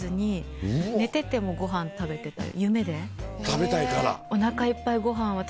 食べたいから。